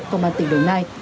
công an tỉnh đồng nai